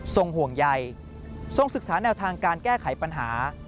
ห่วงใยทรงศึกษาแนวทางการแก้ไขปัญหา